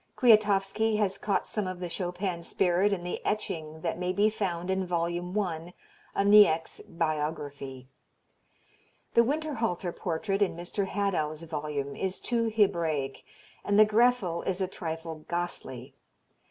Kwiatowski has caught some of the Chopin spirit in the etching that may be found in volume one of Niecks' biography. The Winterhalter portrait in Mr. Hadow's volume is too Hebraic, and the Graefle is a trifle ghastly.